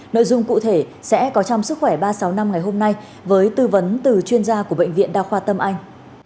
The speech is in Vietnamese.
nội dung cụ thể sẽ có trong sức khỏe ba trăm sáu mươi năm ngày hôm nay với tư vấn từ chuyên gia của bệnh viện đa khoa tâm anh